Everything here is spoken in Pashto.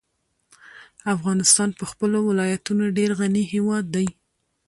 افغانستان په خپلو ولایتونو ډېر غني هېواد دی.